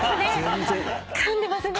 かんでますね